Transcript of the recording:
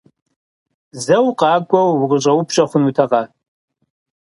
Зэ укъакӀуэу укъыщӀэупщӀэ хъунутэкъэ?